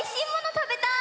たべたい！